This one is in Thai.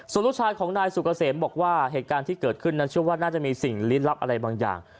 สนุชาติของนายสุกเกษมบอกว่าเหตุการณ์ที่เกิดขึ้นน่าจะมีสิ่งลิ้นลับอะไรบางอย่าง